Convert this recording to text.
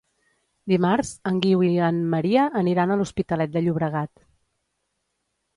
Dimarts en Guiu i en Maria aniran a l'Hospitalet de Llobregat.